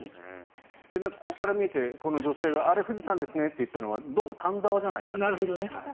ここから見て、あの女性があれ、富士山ですねといったのはどうも丹沢じゃないかという。